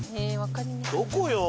どこよ？